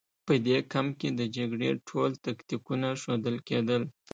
په دې کمپ کې د جګړې ټول تکتیکونه ښودل کېدل